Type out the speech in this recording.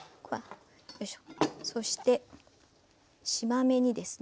そしてしま目にですね